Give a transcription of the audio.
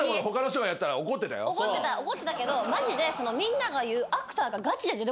怒ってたけどマジでみんなが言う。